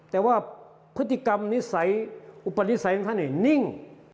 แต่ว่าพฤติกรรมนิสัยอุปนิสัยของท่านนิ่ง